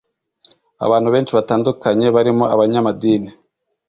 abantu benshi batandukanye barimo abanyamadini